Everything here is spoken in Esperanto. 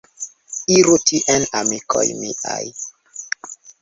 Iru tien amikoj miaj.